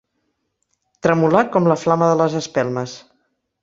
Tremolar com la flama de les espelmes.